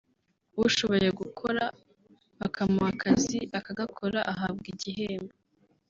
ushoboye gukora bakamuha akazi akagakora agahabwa igihembo